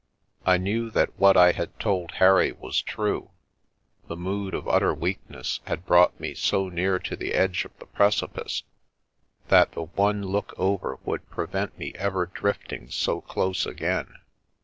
I knew that what I had told Harry was true — the mood of utter weakness had brought me so near to the edge of the precipice that the one look over would prevent me ever drifting so close again.